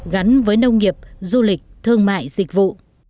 gắn với nông nghiệp du lịch thương mại dịch vụ